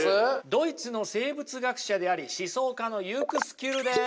ドイツの生物学者であり思想家のユクスキュルです。